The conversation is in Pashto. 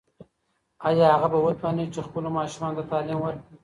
ایا هغه به وتوانیږي چې خپلو ماشومانو ته تعلیم ورکړي؟